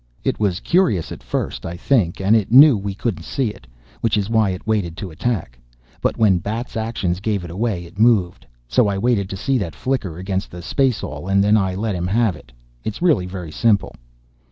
"It was curious at first, I think, and it knew we couldn't see it which is why it waited to attack. But when Bat's actions gave it away it moved. So I waited to see that flicker against the spaceall and then I let him have it. It's really very simple...."